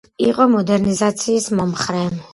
იყო მოდერნიზაციის მომხრე.